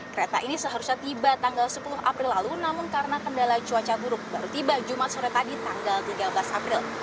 kereta ini seharusnya tiba tanggal sepuluh april lalu namun karena kendala cuaca buruk baru tiba jumat sore tadi tanggal tiga belas april